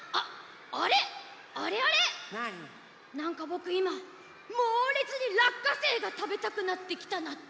なんかぼくいまもうれつにらっかせいがたべたくなってきたナッツ。